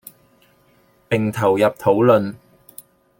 並投入討論